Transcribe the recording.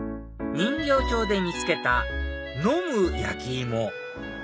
人形町で見つけた飲む焼き芋